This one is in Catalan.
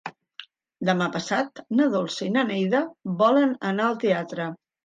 Demà passat na Dolça i na Neida volen anar al teatre.